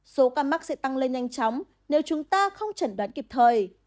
số ca mắc sẽ tăng lên nhanh chóng nếu chúng ta không chẩn đoán kịp thời